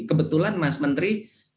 kebetulan mas menteri